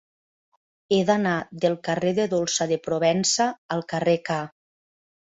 He d'anar del carrer de Dolça de Provença al carrer K.